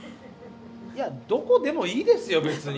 いやどこでもいいですよ別に。